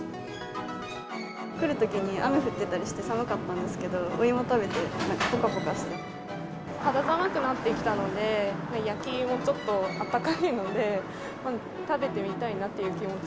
来るときに雨降ってたりして、寒かったんですけど、お芋食べて肌寒くなってきたので、焼き芋、ちょっと温かいので、食べてみたいなという気持ち。